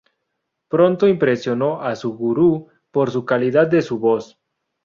Pronto impresionó a su gurú por su calidad de su voz.